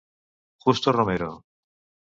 Justo Romero.